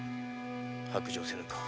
白状せぬか？